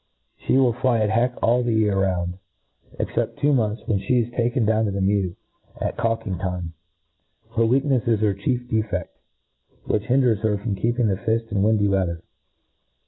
She will fly at heck all the year round, except two months, when (he is taken down to the mew, at cawkingrtime. Her wcaknefs is her chief defed, which hin4er6 }^er from keeping the fift in windy weather.